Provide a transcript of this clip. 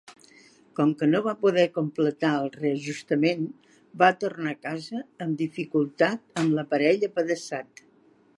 Com que no va poder completar el reajustament, va tornar a casa amb dificultats amb l'aparell apedaçat.